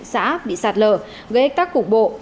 xã bị sạt lở gây ếch tắc cục bộ